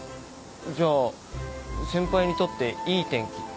じゃあ先輩にとっていい天気って？